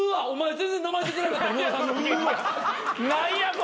お前